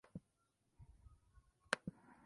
Villa Devoto.